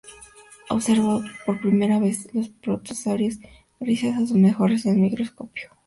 Observó por primera vez los protozoarios gracias a sus mejoras en el microscopio.